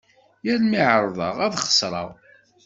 Yal mi εerḍeɣ ad xesreɣ.